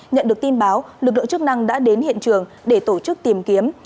nhận được tin báo lực lượng chức năng đã đến hiện trường để tổ chức tìm kiếm